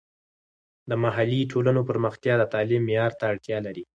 د محلي ټولنو پرمختیا د تعلیم معیار ته اړتیا لري.